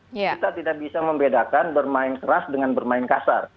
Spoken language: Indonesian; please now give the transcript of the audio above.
kita tidak bisa membedakan bermain keras dengan bermain kasar